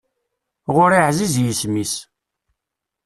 Ɣur-i ɛziz yisem-is.